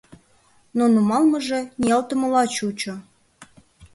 Но нумалмыже ниялтымыла чучо.